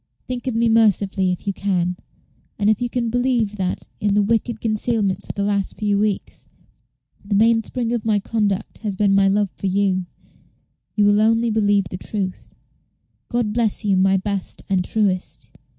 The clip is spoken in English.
Think of me mercifully if you can; and if you can believe that, in the wicked concealments of the last few weeks, the mainspring of my conduct has been my love for you, you will only believe the truth. God bless you, my best and truest.